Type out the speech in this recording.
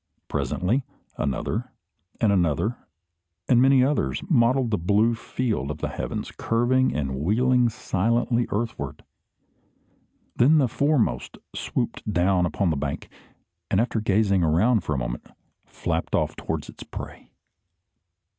Presently another, and another, and many others, mottled the blue field of the heavens, curving and wheeling silently earthward. Then the foremost swooped down upon the bank, and after gazing around for a moment, flapped off towards its prey.